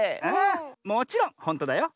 もちろんほんとだよ。